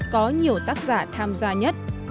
có nhiều tác giả tham gia nhất